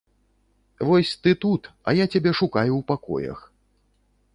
Вось, ты тут, а я цябе шукаю ў пакоях.